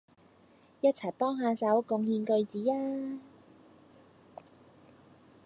一齊幫下手貢獻句子吖